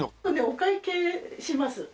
お会計します。